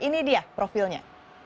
ini dia profilnya